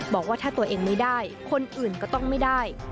บอกว่าถ้าตัวเองไม่ได้คนอื่นก็ต้องไม่ได้